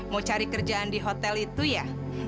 mau cari kerjaan di hotel itu ya